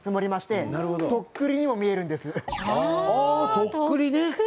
とっくりね！